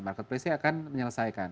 marketplacenya akan menyelesaikan